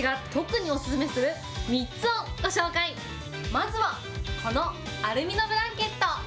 まずはこのアルミのブランケット。